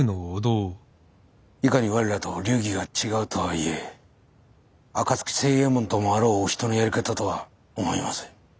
いかに我らと流儀が違うとはいえ暁星右衛門ともあろうお人のやり方とは思えません。